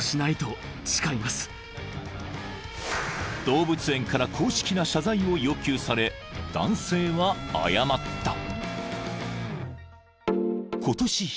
［動物園から公式な謝罪を要求され男性は謝った］